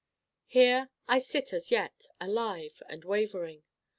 Here I sit as yet, alive and Wavering.